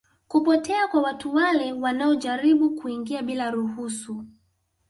kupotea kwa watu wale wanaojaribu kuingia bila ruhusu